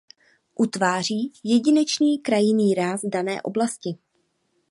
Utváří jedinečný krajinný ráz dané oblasti.